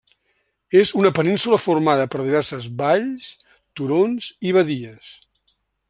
És una península formada per diverses valls, turons i badies.